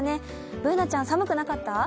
Ｂｏｏｎａちゃん、寒くなかった？